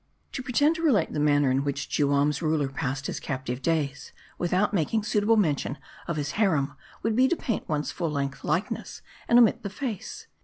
To pretend to relate the manner in whj.ch Juam's ruler passed his captive days, without making suitable mention of his harem, would be to paint one's full length likeness and omit the face.